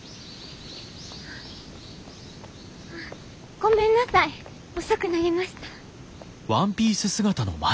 ごめんなさい遅くなりました。